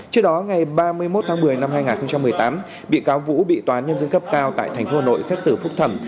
trước đó ngày ba mươi một tháng một mươi năm hai nghìn một mươi tám bị cáo vũ bị tòa nhân dân cấp cao tại tp hà nội xét xử phúc thẩm